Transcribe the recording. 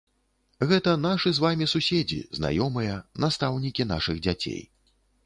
Гэта нашы з вамі суседзі, знаёмыя, настаўнікі нашых дзяцей.